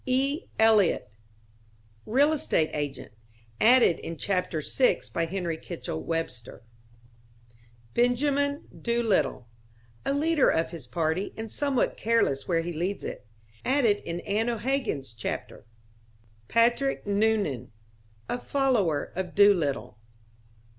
E. Eliot.... Real estate agent (added in Chapter VI by Henry Kitchell Webster). Benjamin Doolittle.... A leader of his party, and somewhat careless where he leads it. (Added in Anne O'Hagan's Chapter). Patrick Noonan.... A follower of Doolittle.